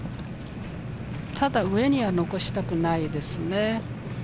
ただ、上には残したくないですね。